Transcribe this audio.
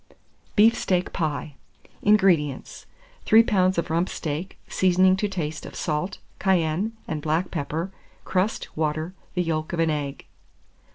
BEEF STEAK PIE. 604. INGREDIENTS. 3 lbs. of rump steak, seasoning to taste of salt, cayenne, and black pepper, crust, water, the yolk of an egg.